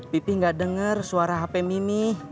pipih nggak denger suara hp mimi